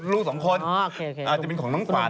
เค้ารู้๒คนอาจจะเป็นของน้องขวัญ